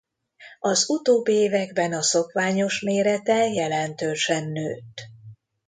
Az utóbbi években a szokványos mérete jelentősen nőtt.